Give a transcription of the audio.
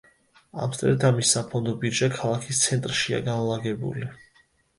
ამსტერდამის საფონდო ბირჟა ქალაქის ცენტრშია განლაგებული.